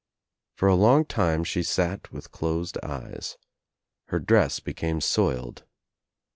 For a long time she sat with closed eyes. Her dress became soiled.